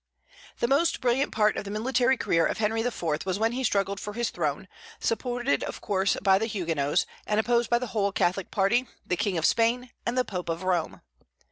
The most brilliant part of the military career of Henry IV. was when he struggled for his throne, supported of course by the Huguenots, and opposed by the whole Catholic party, the King of Spain, and the Pope of Rome.